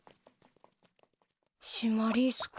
シマリス君。